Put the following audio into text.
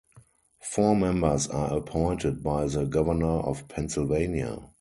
Four members are appointed by the Governor of Pennsylvania.